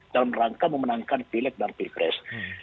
dalam rangka memenangkan pilihan keputusan